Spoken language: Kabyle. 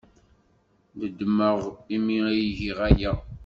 Nedmeɣ imi ay giɣ aya.